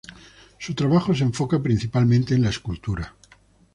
Su trabajo se enfoca principalmente en la escultura.